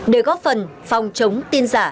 để góp phần phòng chống tin giả